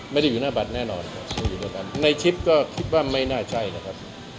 ไม่ได้อยู่หน้าบัตรแน่นอนอยู่ในนั้นในชิปก็คิดว่าไม่น่าใช่นะครับ